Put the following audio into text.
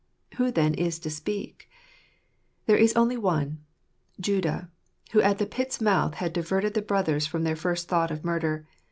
Who then is to speak ? There is only one, Judah, who at the pit's mouth had diverted the brothers from their first thought of murder.